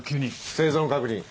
生存確認。